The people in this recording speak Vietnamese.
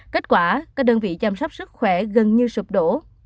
kết quả các đơn vị chăm sóc sức khỏe gần như sụp đổ